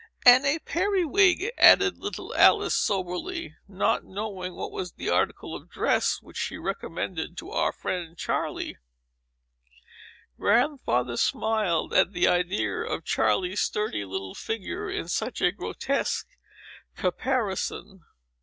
"And a periwig," added little Alice, soberly, not knowing what was the article of dress, which she recommended to our friend Charley. Grandfather smiled at the idea of Charley's sturdy little figure in such a grotesque caparison.